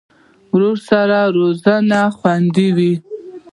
ورور سره رازونه خوندي وي.